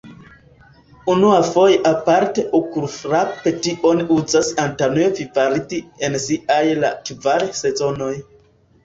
Unuafoje aparte okulfrape tion uzas Antonio Vivaldi en siaj La kvar sezonoj.